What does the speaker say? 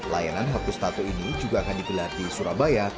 layanan hapus tato ini juga akan digelar di surabaya